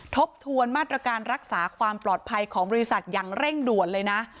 ทบทวนมาตรการรักษาความปลอดภัยของบริษัทอย่างเร่งด่วนเลยนะ